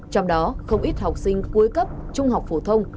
trong đó không ít học sinh cuối cấp trung học phổ thông